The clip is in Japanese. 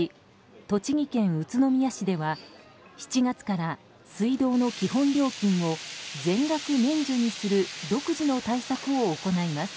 栃木県宇都宮市では７月から水道の基本料金を全額免除にする独自の対策を行います。